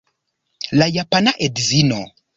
La japana edzino.